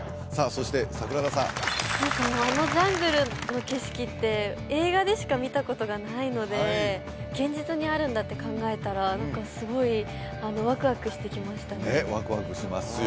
そして桜田さんあのジャングルの景色って映画でしか見たことがないので現実にあるんだって考えたらすごいワクワクしてきましたねねえワクワクしますよ